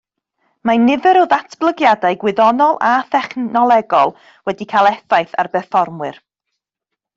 Mae nifer o ddatblygiadau gwyddonol a thechnolegol wedi cael effaith ar berfformwyr